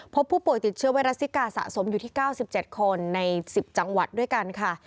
พบผู้ป่วยติดเชื้อไวรัสซิกาสะสมอยู่ที่๙๗คนใน๑๐จังหวัดด้วยกันค่ะ